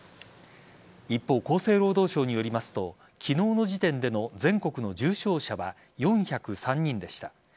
一方、厚生労働省によりますと昨日の時点での全国の重症者は４０３人でした。